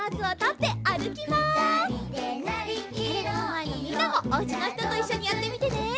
テレビのまえのみんなもおうちのひとといっしょにやってみてね。